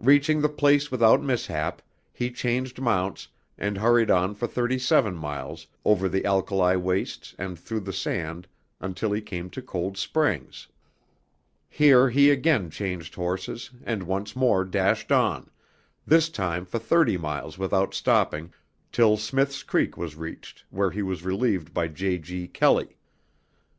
Reaching the place without mishap, he changed mounts and hurried on for thirty seven miles over the alkali wastes and through the sand until he came to Cold Springs. Here he again changed horses and once more dashed on, this time for thirty miles without stopping, till Smith's Creek was reached where he was relieved by J. G. Kelley.